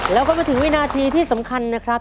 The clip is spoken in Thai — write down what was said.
แล้วก็มาถึงวินาทีที่สำคัญนะครับ